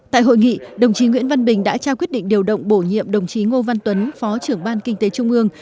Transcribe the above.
tại hội nghị đồng chí nguyễn văn bình đã trao quyết định điều động bổ nhiệm đồng chí ngô văn tuấn phó trưởng ban kinh tế trung ương